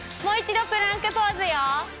もう一度プランクポーズよ。